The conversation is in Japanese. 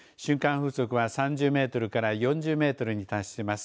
風速は３０メートルから４０メートルに達します。